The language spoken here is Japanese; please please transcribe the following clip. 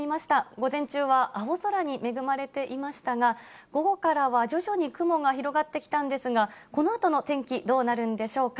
午前中は青空に恵まれていましたが、午後からは徐々に雲が広がってきたんですが、このあとの天気、どうなるんでしょうか。